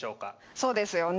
そうですよね。